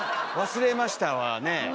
忘れましたわね。